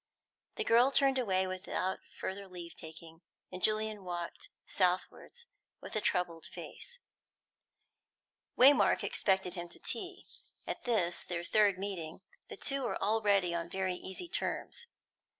The girl turned away without further leave taking, and Julian walked southwards with a troubled face. Waymark expected him to tea. At this, their third meeting, the two were already on very easy terms.